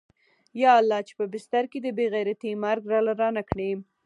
يا الله چې په بستر کې د بې غيرتۍ مرگ راله رانه کې.